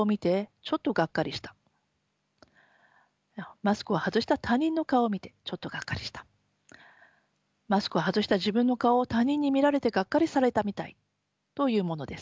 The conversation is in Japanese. マスクを外した他人の顔を見てちょっとがっかりしたマスクを外した自分の顔を他人に見られてがっかりされたみたいというものです。